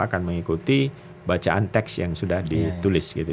akan mengikuti bacaan teks yang sudah ditulis gitu